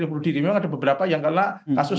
bunuh diri memang ada beberapa yang kena kasus